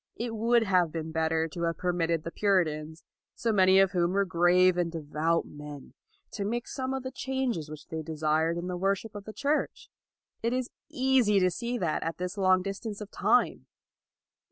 It would have been better to have permitted the Puritans, so many of whom were grave and devout men, to make some of the changes which they desired in the wor ship of the Church. It is easy to see that at this long distance of time.